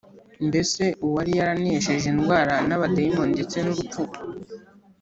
mbese uwari yaranesheje indwara n’abadayimoni ndetse n’urupfu,